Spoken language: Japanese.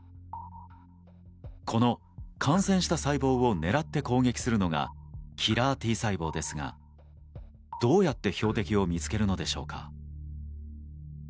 この感染した細胞を狙って攻撃するのがキラーＴ細胞ですがどうやって標的を見つけるのでしょうか。